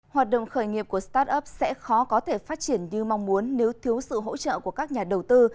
hoạt động khởi nghiệp của start up sẽ khó có thể phát triển như mong muốn nếu thiếu sự hỗ trợ của các nhà đầu tư